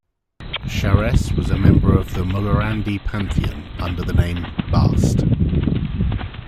Sharess was a member of the Mulhorandi pantheon, under the name Bast.